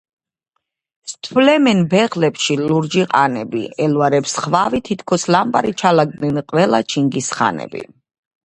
სთვლემენ ბეღლებში ლურჯი ყანები ელვარებს ხვავი თითქოს ლამპარი ჩალაგდნენ ყველა ჩინგის ხანები